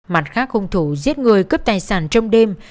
mặt khác hung thủ giết người cướp tài sản trong đêm